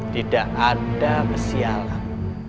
tidak ada kesialan